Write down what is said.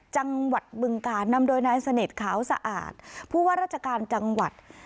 บึงการนำโดยนายสนิทขาวสะอาดผู้ว่าราชการจังหวัด